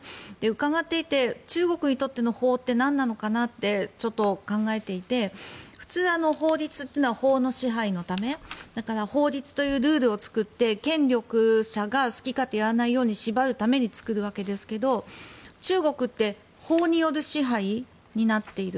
伺っていて中国にとっての法ってなんなのかなってちょっと考えていて普通、法律というのは法の支配のためだから法律というルールを作って権力者が好き勝手やらないように縛るわけですけど中国って法による支配になっている。